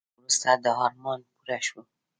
کلونه وروسته دا ارمان پوره شو.